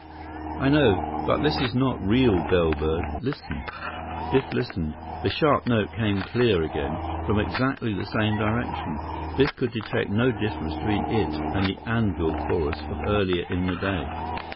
"I know. But this is not real bellbird. Listen." Biff listened. The sharp note came clear again, from exactly the same direction. Biff could detect no difference between it and the anvil chorus of earlier in the day.